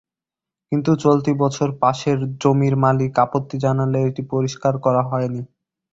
কিন্তু চলতি বছর পাশের জমির মালিক আপত্তি জানালে এটি পরিষ্কার করা হয়নি।